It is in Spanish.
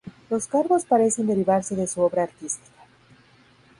Los cargos parecen derivarse de su obra artística.